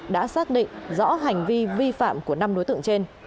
đã xác định rõ hành vi vi phạm của năm đối tượng trên